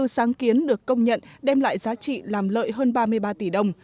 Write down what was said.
ba trăm linh bốn sáng kiến được công nhận đem lại giá trị làm lợi hơn ba mươi ba tỷ đồng